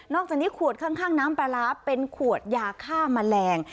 อกจากนี้ขวดข้างน้ำปลาร้าเป็นขวดยาฆ่าแมลง